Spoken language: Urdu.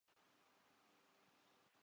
اس سے یہ جماعت جو فائدہ اٹھا سکتی تھی